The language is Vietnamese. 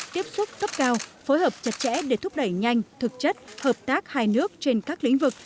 tiếp xúc cấp cao phối hợp chặt chẽ để thúc đẩy nhanh thực chất hợp tác hai nước trên các lĩnh vực